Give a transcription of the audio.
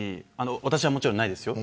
私はもちろんないですよ